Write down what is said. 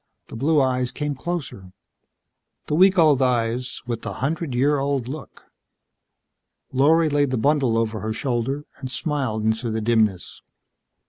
The blue eyes came closer. The week old eyes with the hundred year old look. Lorry laid the bundle over her shoulder and smiled into the dimness.